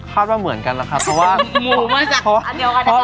คาดว่าเหมือนกันนะครับเพราะว่า